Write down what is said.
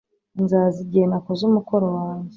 Nzaza igihe nakoze umukoro wanjye